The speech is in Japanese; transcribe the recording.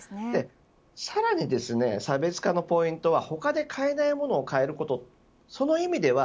さらに差別化のポイントは、他で買えないものを買えること。